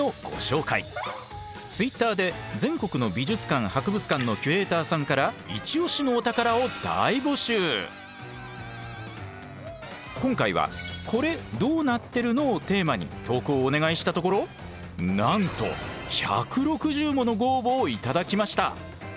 ツイッターで全国の美術館・博物館の今回は「コレどうなってるの」をテーマに投稿をお願いしたところなんと１６０ものご応募を頂きました。